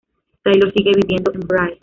Taylor sigue viviendo en Bray.